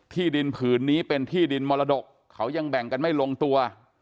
ที่ดินผืนนี้เป็นที่ดินมรดกเขายังแบ่งกันไม่ลงตัว